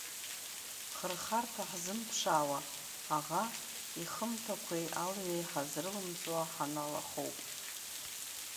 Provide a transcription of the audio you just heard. Хырхарҭа ҳзымԥшаауа аӷа ихымҭақәеи алҩеи ҳазрылымҵуа ҳаналахоуп.